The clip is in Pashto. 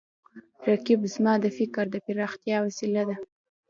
رقیب زما د فکر د پراختیا وسیله ده